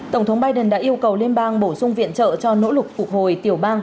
tổng thống biden đã yêu cầu liên bang bổ sung viện trợ cho nỗ lực phục hồi tiểu bang